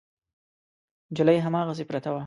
نجلۍ هماغسې پرته وه.